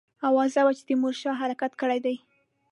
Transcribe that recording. آوازه وه چې تیمورشاه حرکت کړی دی.